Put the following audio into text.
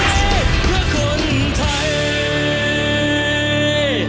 เราจะเชียร์บอลไทย